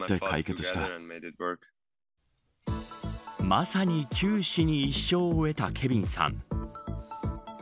まさに九死に一生を得たケビンさん